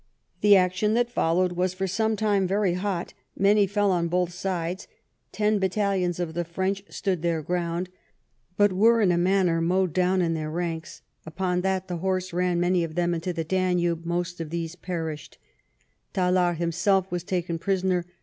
The action that fol lowed was for some time very hot, many fell on both sides; ten battalions of the French stood their ground, but were in a manner mowed down in their ranks; upon that the horse ran many of them into the Danube, most of these perished; Tallard himself was taken prisoner.